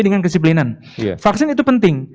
dengan kesiplinan vaksin itu penting